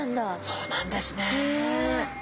そうなんですね。